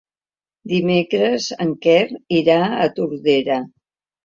Dimecres en Quel irà a Tordera.